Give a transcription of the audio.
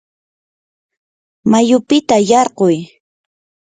mayupita yarquy.